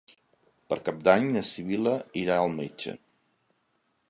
Per Cap d'Any na Sibil·la irà al metge.